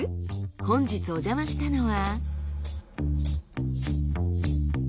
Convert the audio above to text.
本日おじゃましたのは。